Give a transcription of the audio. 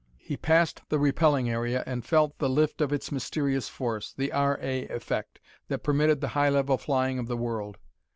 He passed the repelling area and felt the lift of its mysterious force the "R. A. Effect" that permitted the high level flying of the world.